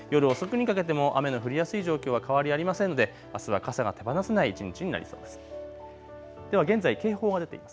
夜遅くにかけても雨の降りやすい状況は変わりありませんのであすは傘が手放せない一日になりそうです。